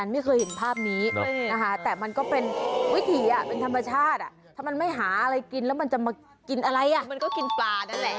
อ่าจูบมันก็กินปลานั่นแหละมันก็กินปลาแหละตัวใหญ่มันกินปลาแหละมันก็กินปลาแหละมันก็กินปลาแหละ